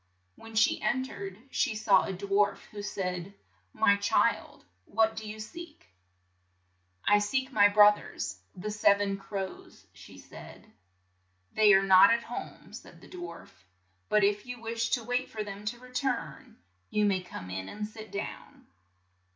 When she en tered, she saw a dwarf, who said, "My child, what do you seek?" "I seek my broth ers, the sev en crows," she said. "They are not at home," said the dwarf, "but if you wish to wait for them to re turn, you may come in and sit down.